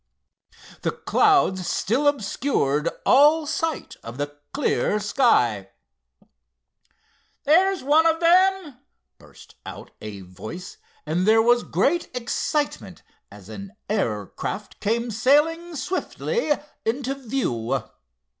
The clouds still obscured all sight of the clear sky. "There's one of them!" burst out a voice and there was great excitement as an air craft came sailing swiftly into view.